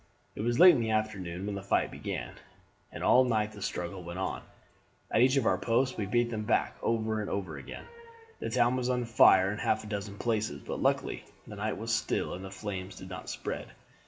It was late in the afternoon when the fight began, and all night the struggle went on. At each of our posts we beat them back over and over again. The town was on fire in half a dozen places, but luckily the night was still and the flames did not spread.